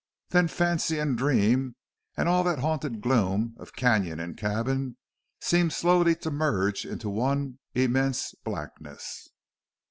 Then fancy and dream, and all the haunted gloom of canon and cabin, seemed slowly to merge into one immense blackness.